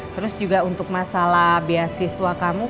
terus juga untuk masalah beasiswa kamu